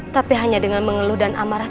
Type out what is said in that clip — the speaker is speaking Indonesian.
tapi hanya dengan mengeluh dan amarah